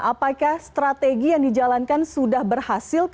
apakah strategi yang dijalankan sudah berhasil